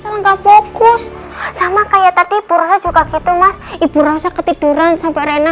selangka fokus sama kayak tadi pura juga gitu mas ibu rossa ketiduran sampai renah